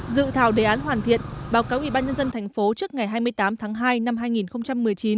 dự thảo đề án hoàn thiện báo cáo ubnd thành phố trước ngày hai mươi tám tháng hai năm hai nghìn một mươi chín